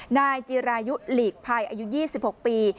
นายจิรายุหลีกภัยอายุ๒๖ปี